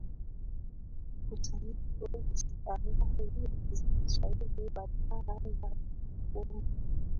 kusanifu Istilahi za Kiswahili badala ya jukumu